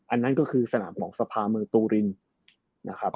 อันนั้นก็คือสนามของสภาเมืองตูรินนะครับ